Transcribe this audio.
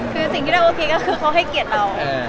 คือสิ่งที่เราโอเคก็คือเขาให้เกียรติเรา